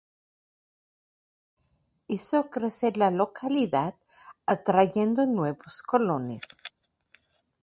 Hizo crecer la localidad atrayendo nuevos colonos.